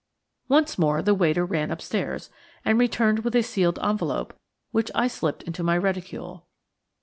Once more the waiter ran upstairs, and returned with a sealed envelope, which I slipped into my reticule.